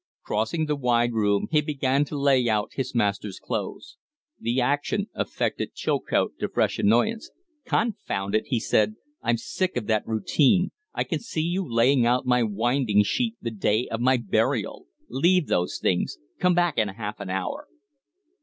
Crossing the wide room, he began to lay out his master's clothes. The action affected Chilcote to fresh annoyance. "Confound it!" he said. "I'm sick of that routine: I can see you laying out my winding sheet the day of my burial. Leave those things. Come back in half an hour."